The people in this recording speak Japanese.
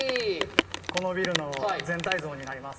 このビルの全体像になります。